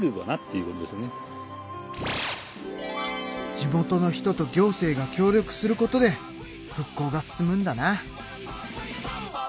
地元の人と行政が協力することで復興が進むんだな。